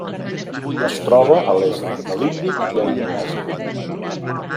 Es troba a l'est de l'Índic i a Indonèsia.